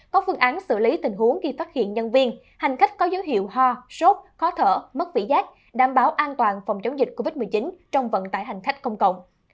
có phương án xử lý tình huống khi phát hiện nhân viên hành khách có dấu hiệu ho sốt khó thở mất vị giác đảm bảo an toàn phòng chống dịch covid một mươi chín trong vận tải hành khách công cộng